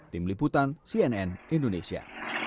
tim liputan cnn indonesia